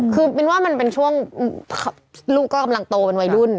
คือมินว่ามันเป็นช่วงลูกก็กำลังโตเป็นวัยรุ่น